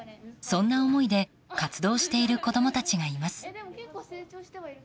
そんな思いで活動している子供たちがいます。